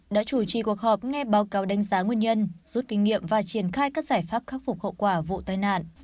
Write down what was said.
đã chủ trì cuộc họp nghe báo cáo đánh giá nguyên nhân rút kinh nghiệm và triển khai các giải pháp khắc phục hậu quả vụ tai nạn